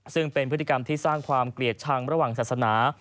ซึ่งเป็นพฤติกรรมที่สร้างความเกลียดชังระหว่างศาสนา